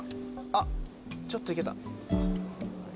あっちょっといけた。